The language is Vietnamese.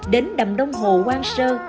đến đầm đông hồ quang sơ